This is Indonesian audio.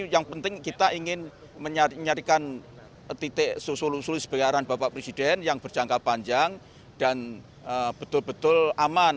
yang penting kita ingin mencari titik selesai sebagian bapak presiden yang berjangka panjang dan betul betul aman